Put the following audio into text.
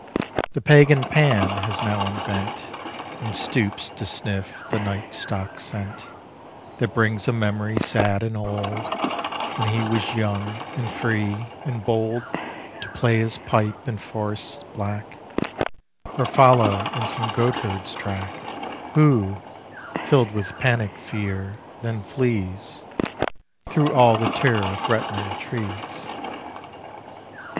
The Pagan Pan has now unbent And stoops to sniff the night stock scent That brings a memory sad and old When he was young and free and bold To play his pipe in forests black, Or follow in some goatherd's track Who, fill'd with panic fear, then flees Through all the terror threatening trees.